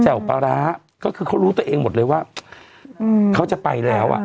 ปลาร้าก็คือเขารู้ตัวเองหมดเลยว่าเขาจะไปแล้วอ่ะ